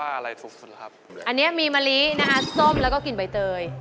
อันนี้มีมะลิส้มหรือซักกินใบเตย